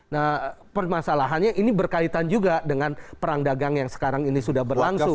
nah permasalahannya ini berkaitan juga dengan perang dagang yang sekarang ini sudah berlangsung